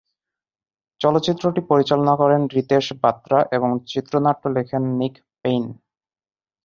চলচ্চিত্রটি পরিচালনা করেন রিতেশ বাত্রা এবং চিত্রনাট্য লিখেন নিক পেইন।